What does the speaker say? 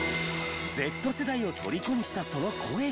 Ｚ世代をとりこにしたその声が。